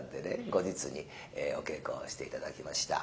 後日にお稽古をして頂きました。